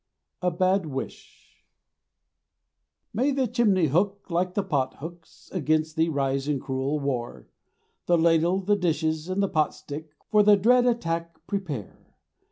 A BAD WISH May the chimney hook and the pot hooks Against thee rise in cruel war; The ladle, the dishes, and the pot stick, For the dread attack prepare.